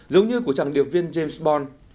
giống như của chàng điệp viên james bond